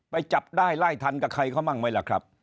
จับได้ไล่ทันกับใครเขาบ้างไหมล่ะครับ